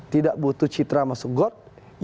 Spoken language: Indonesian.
tidak butuh citra masuk gord